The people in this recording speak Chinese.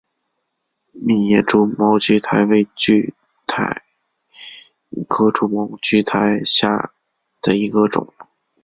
密叶蛛毛苣苔为苦苣苔科蛛毛苣苔属下的一个种。